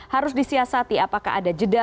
harus disiasati apakah ada jeda